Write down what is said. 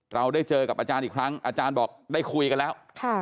เราได้เจอกับอาจารย์อีกครั้งอาจารย์บอกได้คุยกันแล้ว